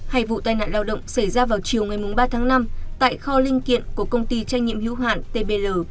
hai vụ tai nạn lao động xảy ra vào chiều ngày mùng ba tháng năm tại kho linh kiện của công ty trang nhiệm hữu hạn tbl